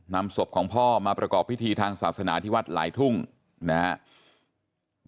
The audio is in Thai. นำศพของพ่อมาประกอบพิธีทางศาสนาที่วัดหลายทุ่งนะครับ